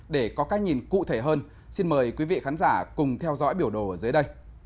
để có cái nhìn cụ thể hơn xin mời quý vị khán giả cùng theo dõi biểu đồ ở dưới đây